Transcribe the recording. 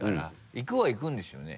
行くは行くんですよね？